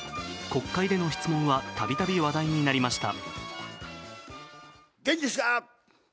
国会での質問は度々、話題になりました。